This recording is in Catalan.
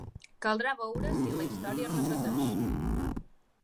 Caldrà veure si la història es repeteix.